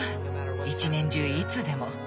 一年中いつでも。